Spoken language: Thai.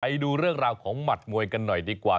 ไปดูเรื่องราวของหมัดมวยกันหน่อยดีกว่า